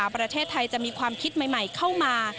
ประเทศไทยจะมีความคิดใหม่เข้ามา